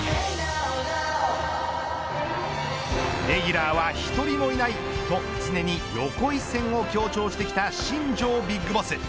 レギュラーは１人もいないと常に横一線を強調してきた新庄ＢＩＧＢＯＳＳ。